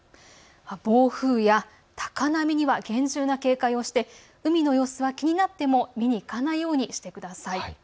暴風や高波には厳重な警戒をして海の様子が気になったとしても見に行かないようにしてください。